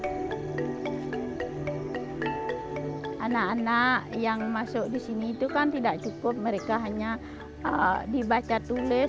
hai anak anak yang masuk disini itu kan tidak cukup mereka hanya dibaca tulis